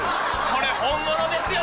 これ本物ですよ